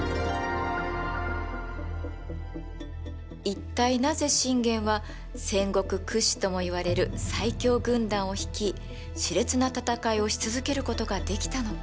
一体なぜ信玄は戦国屈指ともいわれる最強軍団を率い熾烈な戦いをし続けることができたのか？